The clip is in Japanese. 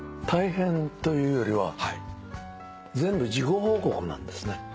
大変というよりは全部事後報告なんですね。